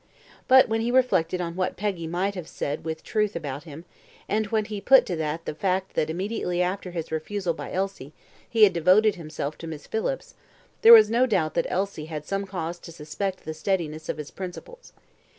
But when he reflected on what Peggy might have said with truth about him, and when he put to that the fact that immediately after his refusal by Elsie he had devoted himself to Miss Phillips, there was no doubt that Elsie had some cause to suspect the steadiness of his principles.